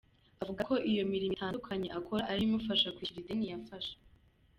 Avuga ko iyo imirimo itandukanye akora ari yo imufasha kwishyura ideni yafashe.